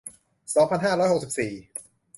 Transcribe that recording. สองพันห้าร้อยหกสิบสี่